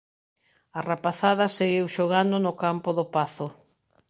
A rapazada seguiu xogando no campo do Pazo.